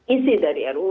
isi dari ru